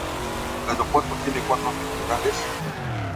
El aeropuerto tiene cuatro terminales.